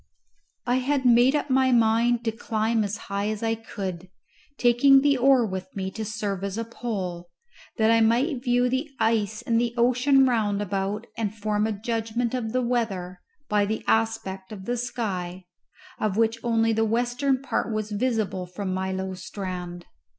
I made up my mind to climb as high as I could, taking the oar with me to serve as a pole, that I might view the ice and the ocean round about and form a judgment of the weather by the aspect of the sky, of which only the western part was visible from my low strand.